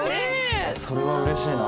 それはうれしいな。